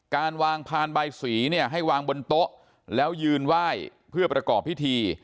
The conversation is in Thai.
การวางพานใบสีเนี่ยให้วางบนโต๊ะแล้วยืนไหว้เพื่อประกอบพิธี